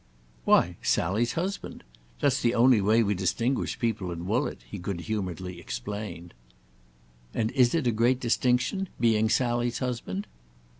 "Why Sally's husband. That's the only way we distinguish people at Woollett," he good humoredly explained. "And is it a great distinction—being Sally's husband?"